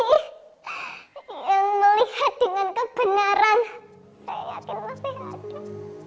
yang melihat dengan kebenaran saya dan masih ada